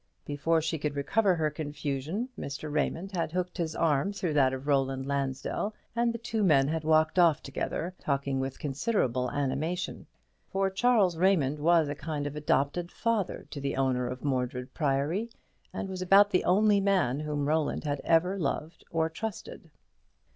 Before she could recover her confusion, Mr. Raymond had hooked his arm through that of Roland Lansdell, and the two men had walked off together, talking with considerable animation; for Charles Raymond was a kind of adopted father to the owner of Mordred Priory, and was about the only man whom Roland had ever loved or trusted.